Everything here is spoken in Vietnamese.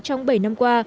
trong bảy năm qua